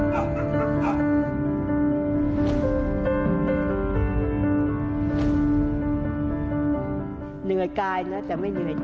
งั้นเขาจัดไปคุณแม่งหรอฮว่าคุณได้ชื่อด้วยคุณไหม